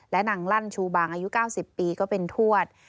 และนางลั่นชูบางอายุ๙๐ปีก็เป็นทวด